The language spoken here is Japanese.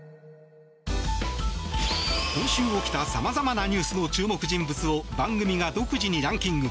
今週起きた様々なニュースの注目人物を番組が独自にランキング。